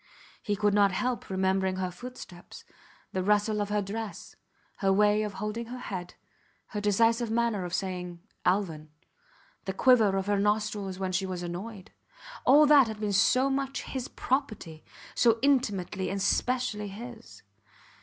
He could not help remembering her footsteps, the rustle of her dress, her way of holding her head, her decisive manner of saying Alvan, the quiver of her nostrils when she was annoyed. All that had been so much his property, so intimately and specially his!